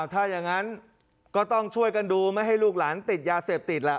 ถ้าอย่างนั้นก็ต้องช่วยกันดูไม่ให้ลูกหลานติดยาเสพติดแหละ